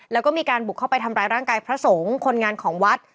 แล้วก็มีการบุกเข้าไปทำร้ายร่างกายพระสงฆ์คนงานของวัด